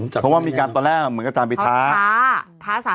เพราะว่ามีการตอนแรกเหมือนอาจารย์ไปท้า